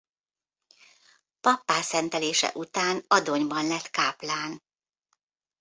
Pappá szentelése után Adonyban lett káplán.